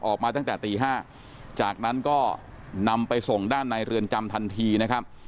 ออกมาตั้งแต่ตี๕จากนั้นก็นำไปส่งด้านในเรือนจำทันทีนะครับ